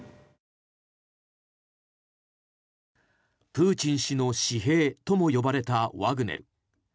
プーチン氏の私兵とも呼ばれたワグネル。